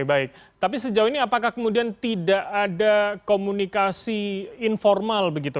baik tapi sejauh ini apakah kemudian tidak ada komunikasi informal begitu